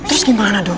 terus gimana dong